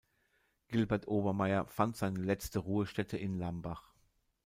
Gilbert Obermair fand seine letzte Ruhestätte in Lambach.